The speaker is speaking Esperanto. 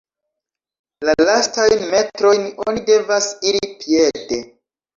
La lastajn metrojn oni devas iri piede.